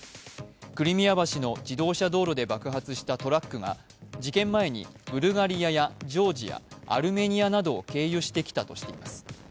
クリミア橋の自動車道路で爆発したトラックが事件前にブルガリアやジョージアアルメニアなどを経由してきたとしています。